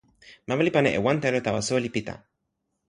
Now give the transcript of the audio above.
mama li pana e wan telo tawa soweli Pita.